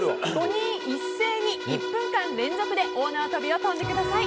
５人一斉に１分間連続で大縄跳びを跳んでください。